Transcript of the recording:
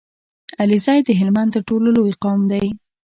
عليزی د هلمند تر ټولو لوی قوم دی